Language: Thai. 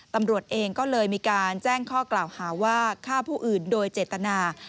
ตำรวจเองก็เลยมีการแจ้งข้อกล่าวหาว่าฆ่าผู้อื่นโดยเจตนา